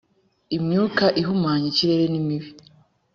imyuka ihumanya ikirere nimibi